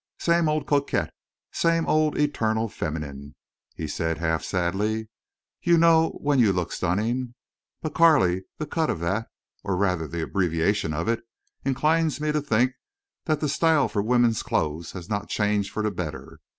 "Same old coquette—same old eternal feminine," he said, half sadly. "You know when you look stunning.... But, Carley, the cut of that—or rather the abbreviation of it—inclines me to think that style for women's clothes has not changed for the better.